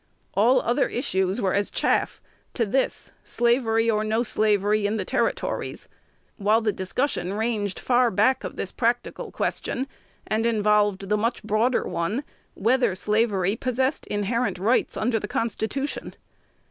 All other issues were as chaff to this, slavery or no slavery in the Territories, while the discussion ranged far back of this practical question, and involved the much broader one, whether slavery possessed inherent rights under the Constitution.